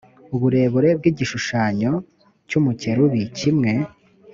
uburebure bw’igishushanyo cy’umukerubi kimwe